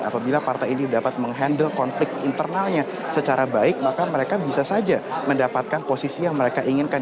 apabila partai ini dapat menghandle konflik internalnya secara baik maka mereka bisa saja mendapatkan posisi yang mereka inginkan